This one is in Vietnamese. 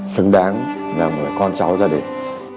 sứng đáng là một con cháu gia đình